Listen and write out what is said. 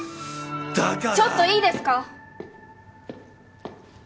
だからちょっといいですか？